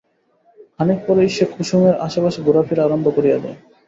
খানিক পরেই সে কুসুমের আশেপাশে ঘোরাফিরা আরম্ভ করিয়া দেয়।